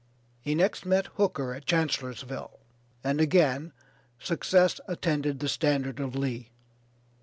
He next met Hooker at Chancellorsville, and again success attended the standard of Lee.